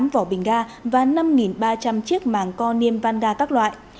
bốn trăm tám mươi tám vỏ bình ga và năm ba trăm linh chiếc màng co niêm van ga các loại